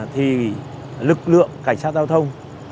thì lực lượng cảnh sát giao thông